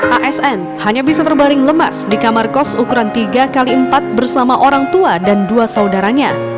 asn hanya bisa terbaring lemas di kamar kos ukuran tiga x empat bersama orang tua dan dua saudaranya